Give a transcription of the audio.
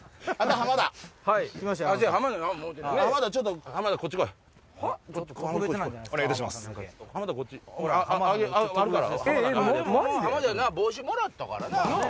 浜田帽子もらったからな。